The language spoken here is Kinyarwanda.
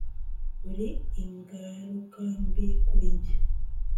Uri ingaruka mbi kuri njye